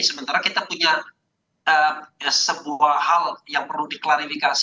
sementara kita punya sebuah hal yang perlu diklarifikasi